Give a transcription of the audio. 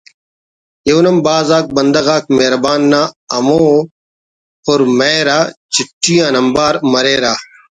ایہن ہم بھاز آ بندغ آک مہربان نا ہمو پر مہر آ چٹھی آنبار مریرہ